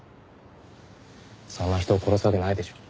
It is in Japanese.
そんな人を殺すわけないでしょ。